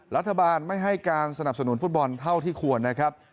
รัฐบาลไม่ให้การสนับสนุนฟุตบอลเท่าที่ควรนะครับ